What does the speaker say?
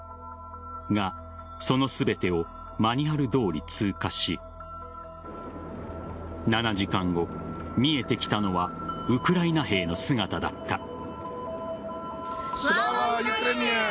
が、その全てをマニュアルどおり通過し７時間後、見えてきたのはウクライナ兵の姿だった。